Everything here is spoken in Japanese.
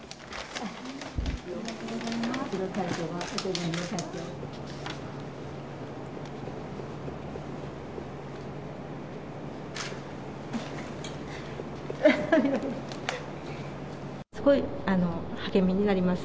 ありがとうございます。